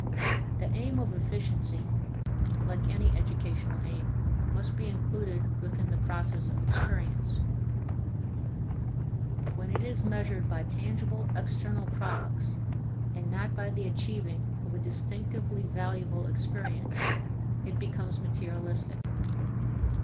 The aim of efficiency (like any educational aim) must be included within the process of experience. When it is measured by tangible external products, and not by the achieving of a distinctively valuable experience, it becomes materialistic.